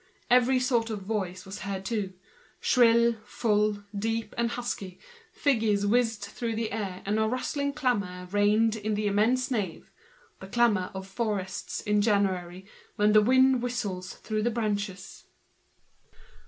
Every sort of voice was heard together, shrill voices, thick voices; figures whizzed through the air, a rustling clamor reigned in the immense nave—the clamor of the forests in January when the wind is whistling through the branches.